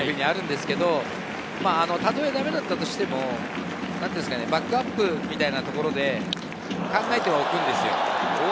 みんなスタートがよければというふうなのはあるんですけど、たとえだめだったとしてもバックアップみたいなところで考えてはおくんですよ。